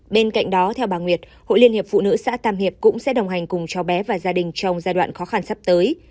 bên cạnh đó theo bà nguyệt hội liên hiệp phụ nữ xã tam hiệp cũng sẽ đồng hành cùng cháu bé và gia đình trong giai đoạn khó khăn sắp tới